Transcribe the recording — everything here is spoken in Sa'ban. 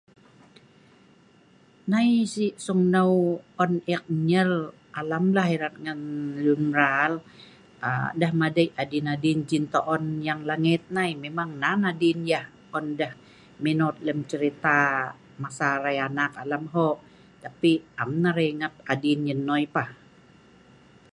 Nai si’ seungneu on eek nyeel alam lah erat ngan luen mraal deeh madei adien-adien jien toon yang langet nai memang nan adien yeh on deeh menot lem cerita masa arai anak alam hoq, tapi am nah arai ingat adien nyeeh nnoi pah